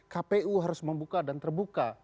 kpu harus membuka dan terbuka